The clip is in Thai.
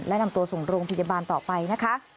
และนำตัวส่งโรงพยาบาลต่อไปนะคะ